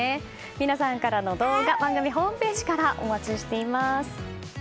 皆さんからの動画番組ホームページからお待ちしています。